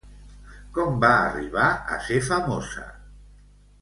Com va arribar a ser famosa?